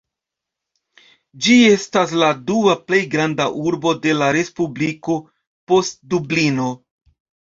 Ĝi estas la dua plej granda urbo de la respubliko, post Dublino.